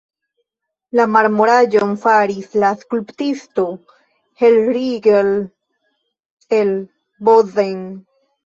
La marmoraĵon faris la skulptisto Hellriegl el Bozen.